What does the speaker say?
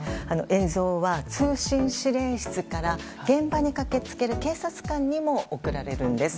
映像は通信指令室から現場に駆け付ける警察官にも送られるんです。